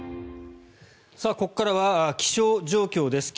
ここからは気象状況です。